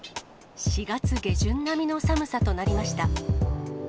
４月下旬並みの寒さとなりました。